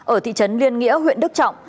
ở thị trấn liên nghĩa huyện đức trọng